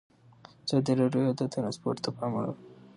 ازادي راډیو د ترانسپورټ ته پام اړولی.